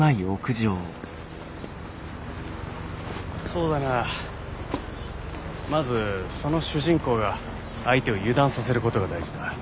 そうだなまずその主人公が相手を油断させることが大事だ。